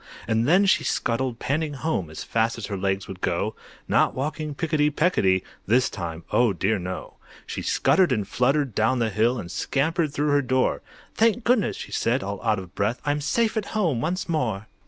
And then she scuttled panting home As fast as her legs would go, Not walking picketty pecketty This time, oh dear no! She scuttered and fluttered down the hill, And scampered through her door. "Thank goodness!" she said, all out of breath, "I'm safe at home once more!"